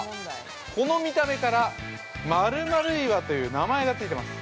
この見た目から○○岩という名前がついてます。